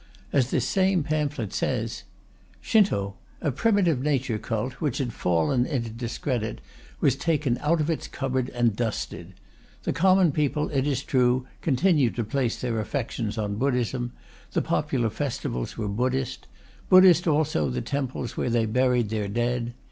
As this same pamphlet says: Shinto, a primitive nature cult, which had fallen into discredit, was taken out of its cupboard and dusted. The common people, it is true, continued to place their affections on Buddhism, the popular festivals were Buddhist; Buddhist also the temples where they buried their dead.